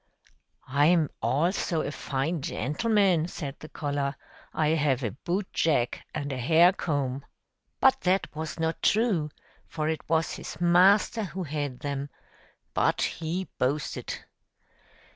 "I am also a fine gentleman," said the collar. "I have a bootjack and a hair comb." But that was not true, for it was his master who had them: but he boasted.